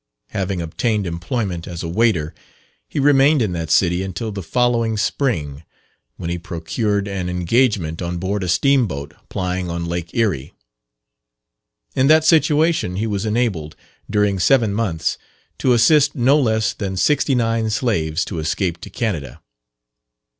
Having obtained employment as a waiter, he remained in that city until the following spring, when he procured an engagement on board a steam boat plying on Lake Erie. In that situation he was enabled, during seven months, to assist no less than sixty nine slaves to escape to Canada.